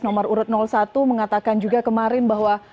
nomor urut satu mengatakan juga kemarin bahwa